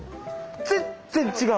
全然違う！